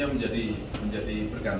yang menjadi target si pelaku ini